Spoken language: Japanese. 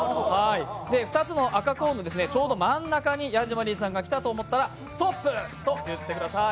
２つの赤コーンのちょうど真ん中にヤジマリーさんが来たと思ったら「ストップ！」と言ってください。